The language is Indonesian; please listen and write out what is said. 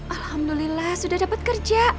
alhamdulillah sudah dapat kerja